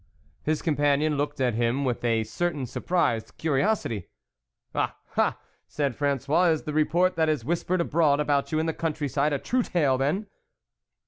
His companion looked at him with a certain surprised curiosity, " Ah ! ah !" said Frangois, " is the report that is whispered abroad about you in the country side a true tale then